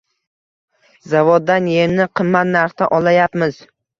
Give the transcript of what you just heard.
Zavoddan emni qimmat narxda olayapmiz